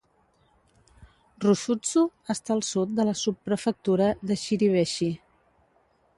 Rusutsu està al sud de la subprefectura de Shiribeshi.